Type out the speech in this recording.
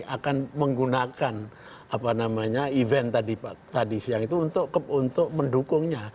akan menggunakan event tadi siang itu untuk mendukungnya